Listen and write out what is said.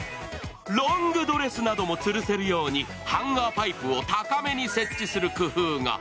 ロングドレスなどもつるせるようにハンガーパイプを高めに設置する工夫が。